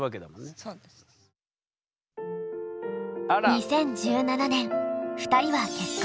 ２０１７年２人は結婚。